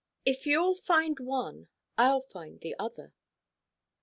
'IF YOU'LL FIND ONE, I'LL FIND THE OTHER.'